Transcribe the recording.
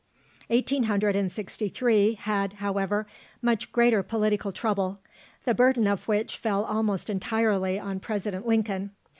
Eighteen hundred and sixty three had, however, much greater political trouble, the burden of which fell almost entirely on President Lincoln.